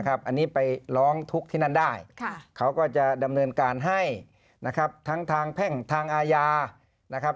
อันนี้ไปร้องทุกข์ที่นั่นได้เขาก็จะดำเนินการให้นะครับทั้งทางแพ่งทางอาญานะครับ